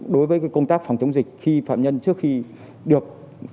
đối với công tác phòng chống dịch khi phạm nhân trước khi được